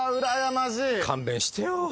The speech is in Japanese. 勘弁してよ。